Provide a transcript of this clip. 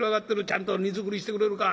ちゃんと荷造りしてくれるか？」。